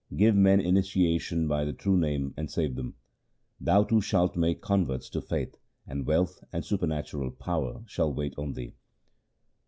Give men initiation by the true Name and save them. Thou too shalt make converts to the faith, and wealth and supernatural power shall wait on thee.'